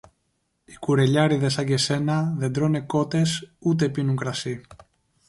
Οι κουρελιάρηδες σαν και σένα δεν τρώνε κότες ούτε πίνουν κρασί!